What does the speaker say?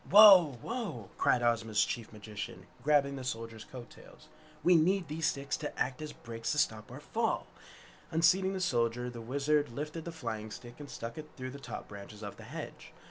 "Whoa, whoa!" cried Ozma's chief magician, grabbing the Soldier's coat tails. "We need these sticks to act as brakes to stop our fall!" Unseating the Soldier, the Wizard lifted the flying stick and stuck it through the top branches of the hedge.